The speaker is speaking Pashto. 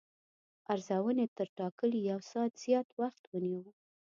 ارزونې تر ټاکلي یو ساعت زیات وخت ونیو.